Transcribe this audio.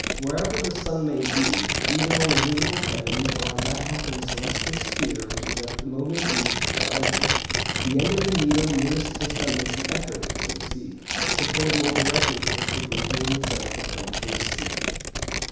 Wherever the sun may be, either on the visible heavens or on that half of the celestial sphere which is at the moment beneath the horizon, the end of the needle nearest to the sun makes an effort (so to speak) to point more directly towards the great ruling centre of the planetary scheme.